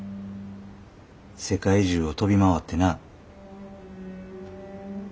世界中を飛び回ってな。